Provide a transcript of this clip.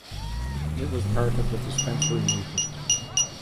It was part of the Dispensary Movement.